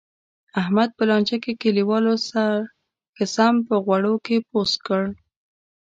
احمد په لانجه کې، کلیوالو ښه سم په غوړو کې پوست کړ.